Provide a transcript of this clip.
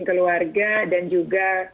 keluarga dan juga